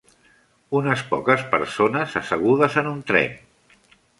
Unes poques persones assegudes en un tren.